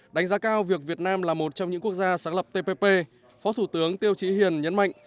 đánh giá cao việc việt nam là một trong những quốc gia sáng lập tpp phó thủ tướng tiêu trí hiền nhấn mạnh